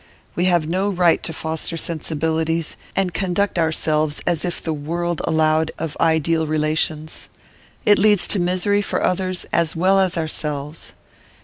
We have no right to foster sensibilities, and conduct ourselves as if the world allowed of ideal relations; it leads to misery for others as well as ourselves.